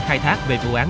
khai thác về vụ án